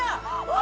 お！